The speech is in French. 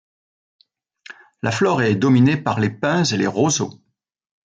La flore est dominée par les pins et les roseaux.